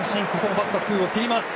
バット、空を切りました。